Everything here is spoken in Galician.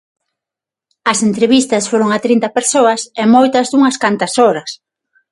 As entrevistas foron a trinta persoas e moitas dunhas cantas horas.